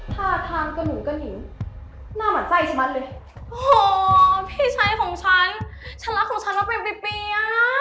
ผ้าทางกะหนูกะหนิงหน้ามันใจชะมัดเลยโอ้พี่ชัยของฉันฉันรักของฉันแล้วเป็นเปรี้ยเปรี้ย